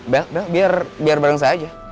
veil veil biar bareng saya aja